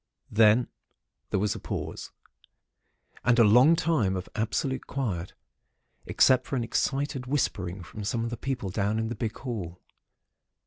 "Then there was a pause, and a long time of absolute quiet, except for an excited whispering from some of the people down in the big hall.